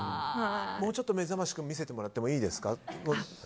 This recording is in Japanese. もうちょっと、めざましくんを見せてもらってもいいですか？